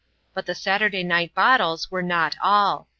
But the Saturday night bottles were not all.